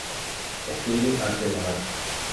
Estudio arte dramático.